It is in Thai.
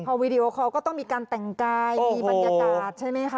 พอวีดีโอคอลก็ต้องมีการแต่งกายมีบรรยากาศใช่ไหมคะ